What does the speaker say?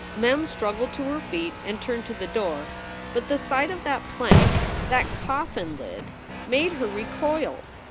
Mem struggled to her feet and turned to the door. But the sight of that plank, that coffin lid, made her recoil.